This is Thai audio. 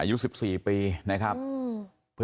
อายุ๑๔ปีนะครับ